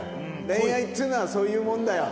恋愛っつうのはそういうもんだよ。